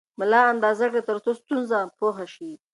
ملا اندازه کړئ ترڅو ستونزه پوه شئ.